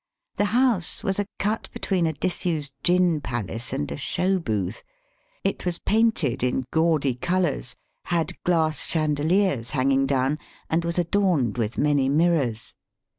The house was a cut between a disused gin palace and a show booth. It was painted in gaudy colours, had glass chandeliers hanging down, and was adorned with many mirrors.